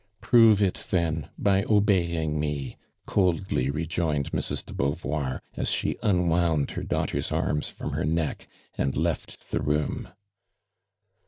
"Prove it then by obeying me," coldly rejoined Mrs. do Beauvoir, as she unwound her daughter's arms from her neck and left the room.